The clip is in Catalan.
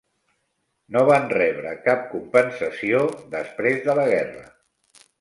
No van rebre cap compensació després de la guerra.